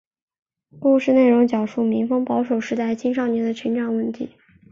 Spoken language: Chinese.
故事内容讲述民风保守时代青少年的成长问题。